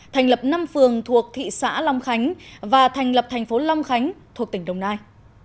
thành lập năm phường thuộc thị xã long khánh và thành lập thành phố long khánh thuộc tỉnh đồng nai